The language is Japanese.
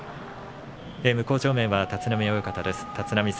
向正面は立浪親方です。